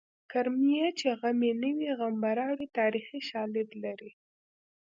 کرمیه چې غم نه وي غم به راوړې تاریخي شالید لري